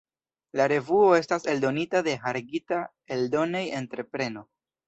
La revuo estas eldonita de Hargita Eldonej-entrepreno.